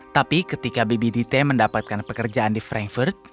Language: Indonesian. tapi ketika bibi dite mendapatkan pekerjaan di frankfurt